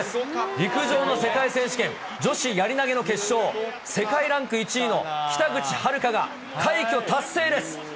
陸上の世界選手権、女子やり投げの決勝、世界ランク１位の北口榛花が快挙達成です。